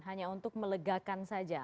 hanya untuk melegakan saja